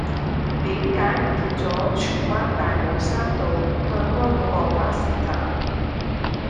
點解唔見左荃灣大帽山道對開嗰個巴士站